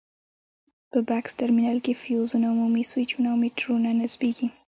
په بکس ترمینل کې فیوزونه، عمومي سویچونه او میټرونه نصبېږي.